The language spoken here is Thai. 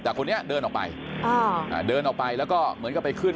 แต่คนนี้เดินออกไปอ่าอ่าเดินออกไปแล้วก็เหมือนกับไปขึ้น